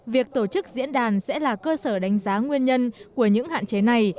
việc tổ chức diễn đàn sẽ là cơ sở đánh giá nguyên nhân của những hạn chế này